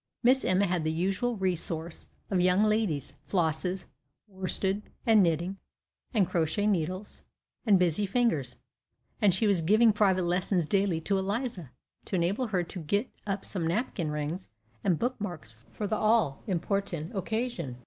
Miss Emma had the usual resource of young ladies, flosses, worsted, and knitting, and crochet needles, and busy fingers, and she was giving private lessons daily to Eliza, to enable her to get up some napkin rings, and book marks for the all important occasion.